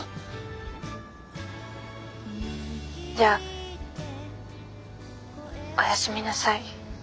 じゃあおやすみなさい。